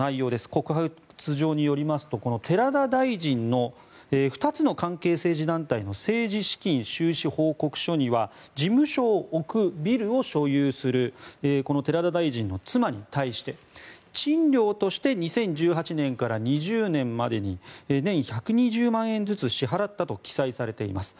告発状によりますとこの寺田大臣の２つの関係政治団体の政治資金収支報告書には事務所を置くビルを所有するこの寺田大臣の妻に対して賃料として２０１８年から２０２０年までに年１２０万円ずつ支払ったと記載されています。